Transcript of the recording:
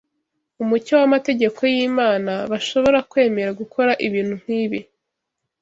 umucyo w’amategeko y’Imana, bashobora kwemera gukora ibintu nk’ibi